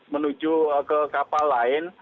menuju ke kapal lain